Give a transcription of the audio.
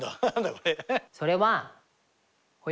これ。